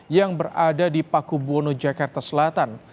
yang berada di pakubono jakarta selatan